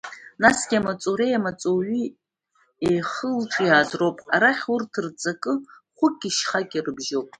Насгьы амаҵуреи амаҵуҩи еихылҿиааз роуп, арахь урҭ рҵакы хәыки шьхаки рыбжьоуп.